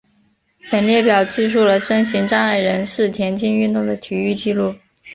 本列表记述了身心障碍人士田径运动的体育纪录。